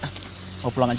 bawa pulang aja